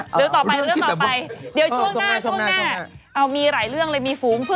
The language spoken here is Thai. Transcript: เดี๋ยวต่อไปเรื่องต่อไปเดี๋ยวช่วงหน้าช่วงหน้าเอามีหลายเรื่องเลยมีฝูง